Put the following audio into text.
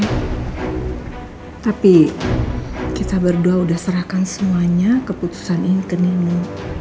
tapi kita berdua sudah serahkan semuanya keputusan ini ke new